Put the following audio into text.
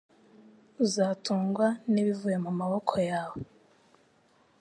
Uzatungwa n’ibivuye mu maboko yawe